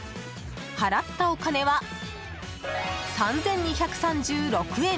払ったお金は、３２３６円。